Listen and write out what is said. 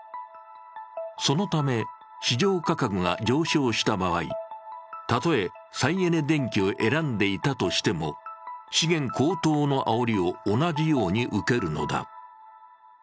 そのため市場価格が上昇した場合、たとえ再エネ電気を選んでいたとしても資源高騰のあおりを同じように受けるのだ。